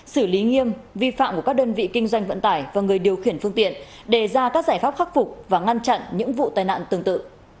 xử lý nghiêm vi phạm của các đơn vị kinh doanh vận tải và người điều khiển phương tiện đề ra các giải pháp khắc phục và ngăn chặn những vụ tai nạn tương tự